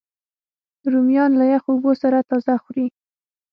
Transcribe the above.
رومیان له یخو اوبو سره تازه خوري